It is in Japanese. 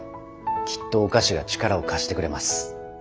きっとお菓子が力を貸してくれます。